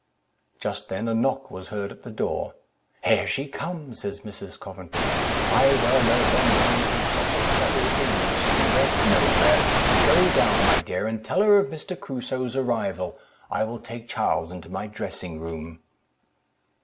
Just then a knock was heard at the door—"Here she comes," said Mrs. Coventry; "I well know her mind is in such a flutter with the news, she can rest nowhere. Go down, my dear, and tell her of Mr. Crusoe's arrival; I will take Charles into my dressing room."